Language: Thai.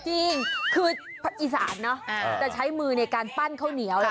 จริงคืออีสานเนอะจะใช้มือในการปั้นข้าวเหนียว